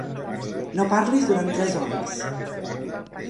No parlis durant tres hores.